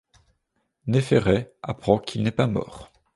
Néféret apprend qu'il n'est pas mort.